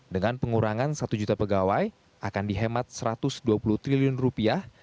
dengan pengurangan satu juta pegawai akan dihemat satu ratus dua puluh triliun rupiah